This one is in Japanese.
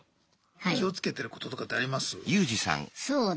気をつけてることとかってあります？